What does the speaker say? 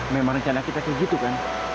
memang rencana kita kayak gitu kan